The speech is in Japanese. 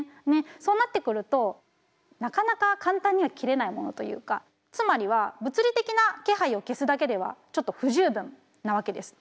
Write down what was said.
そうなってくるとなかなか簡単には切れないものというかつまりは物理的な気配を消すだけではちょっと不十分なわけです。